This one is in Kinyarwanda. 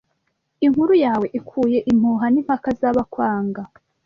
Inkuru yawe ikuye impuha N’impaka z’abakwanga